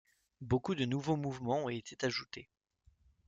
Beaucoup de nouveaux mouvements ont été ajoutés.